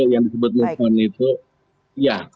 yang disebutnya itu ya